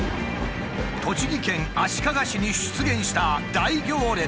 栃木県足利市に出現した大行列。